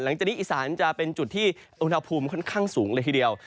หลังจากนี้อีสานจะเป็นจุดที่อุณหภูมิค่อนข้างสูงเลยทีเดียว